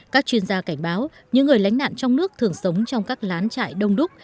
các chuyên gia cảnh báo những người lánh nạn trong nước thường sống trong các lán trại đông đúc